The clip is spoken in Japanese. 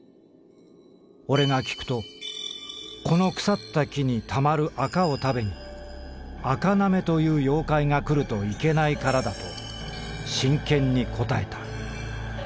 オレが聞くとこの腐った木にたまるあかを食べに『あかなめ』という妖怪が来るといけないからだと真剣に答えた。